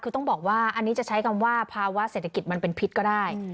คือต้องบอกว่าอันนี้จะใช้คำว่าภาวะเศรษฐกิจมันเป็นพิษก็ได้